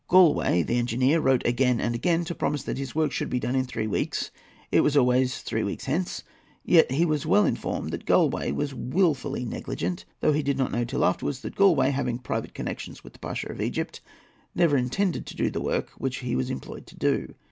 Galloway, the engineer, wrote again and again to promise that his work should be done in three weeks,—it was always "three weeks hence;" yet he was well informed that Galloway was wilfully negligent, though he did not know till afterwards that Galloway, having private connections with the Pasha of Egypt, never intended to do the work which he was employed to do.